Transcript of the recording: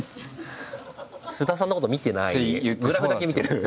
菅田さんのこと見てないグラフだけ見てる？